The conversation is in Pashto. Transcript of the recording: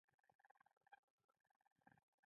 ماشومتوب پاچاهي وي.